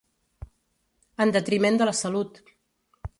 En detriment de la salut.